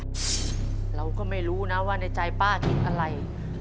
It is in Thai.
เราก็ไม่รู้นะว่าในใจป้าคิดอะไร